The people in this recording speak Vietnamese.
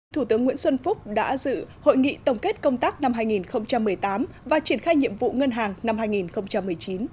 thủ tướng nguyễn xuân phúc đã dự hội nghị tổng kết công tác năm hai nghìn một mươi tám và triển khai nhiệm vụ ngân hàng năm hai nghìn một mươi chín